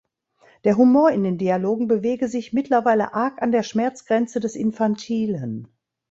Der Humor in den Dialogen bewege sich „mittlerweile arg an der Schmerzgrenze des Infantilen“.